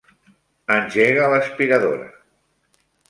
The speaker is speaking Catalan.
Engega l'aspiradora.